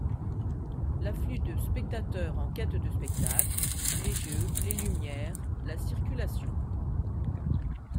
L'afflux de spectateurs en quêtes de spectacle, les jeux, les lumières, la circulation...